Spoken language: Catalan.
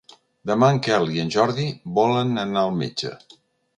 Demà en Quel i en Jordi volen anar al metge.